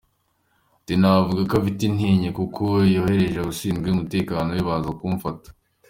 Ati “Navuga ko afite intinyi, kuko yohereje abashinzwe umutekano we baza kumfata.